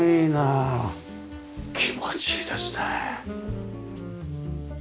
気持ちいいですね。